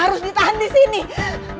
kamu diterima sekali dia sendiri